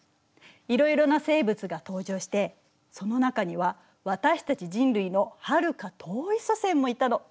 いろいろな生物が登場してその中には私たち人類のはるか遠い祖先もいたの。